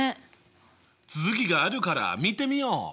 続きがあるから見てみよう！